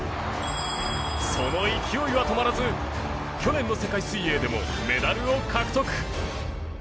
その勢いは止まらず去年の世界水泳でもメダルを獲得。